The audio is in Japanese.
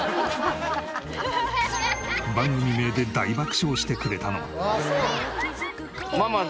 番組名で大爆笑してくれたのは。